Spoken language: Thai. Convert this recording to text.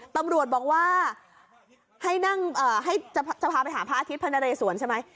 ตำรวจบอกว่าจะพาไปหาพระอาทิตย์พระนาเรสวนใช่ไหม